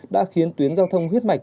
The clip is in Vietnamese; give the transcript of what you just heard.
đã khiến tuyến giao thông huyết mạch